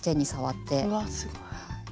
うわすごい。